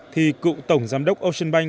thì cựu tổng giám đốc ocean bank